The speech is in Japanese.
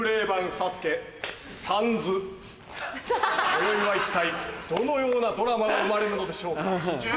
今宵は一体どのようなドラマが生まれるのでしょうか？